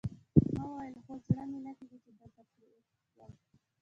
ما وویل: هو، زړه مې نه کېږي چې دلته پروت وم.